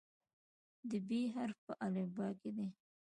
د "ب" حرف په الفبا کې دی.